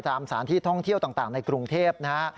ตามสถานที่ท่องเที่ยวต่างในกรุงเทพนะฮะ